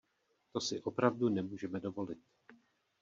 To si opravdu nemůžeme dovolit.